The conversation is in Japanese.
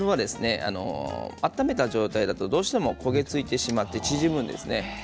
温めた状態だとどうしても焦げ付いてしまって縮むんですね。